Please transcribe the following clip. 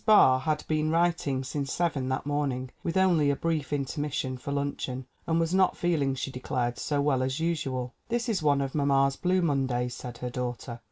Barr had been writing since 7 that morning, with only a brief inter mission for luncheon, and was not feeling, she de clared, so well as usual. "This is one of mamma's blue Mondays," said her daughter.